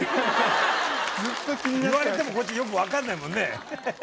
言われてもこっちよく分かんないもんね。